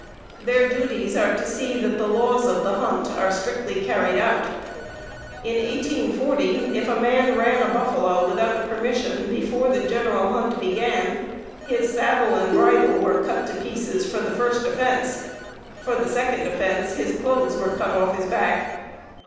Their duties are to see that the laws of the hunt are strictly carried out. In 1840, if a man ran a buffalo without permission before the general hunt began, his saddle and bridle were cut to pieces for the first offense; for the second offense his clothes were cut off his back.